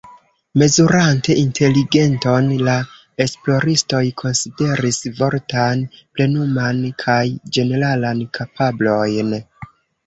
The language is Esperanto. Mezurante inteligenton, la esploristoj konsideris vortan, plenuman kaj ĝeneralan kapablojn.